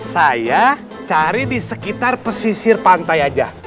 saya cari di sekitar pesisir pantai aja